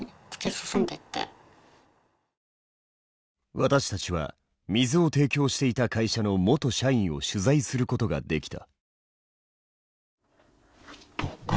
私たちは水を提供していた会社の元社員を取材することができた。